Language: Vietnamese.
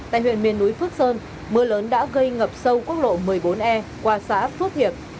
tại huyện miền núi phước sơn mưa lớn đã gây ngập sâu quốc lộ một mươi bốn e qua xã phước hiệp